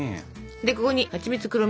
でここにはちみつ黒蜜